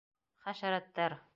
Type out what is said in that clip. Хәшәрәттәр.